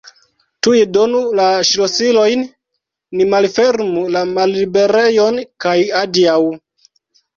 Tuj donu la ŝlosilojn, ni malfermu la malliberejon kaj adiaŭ!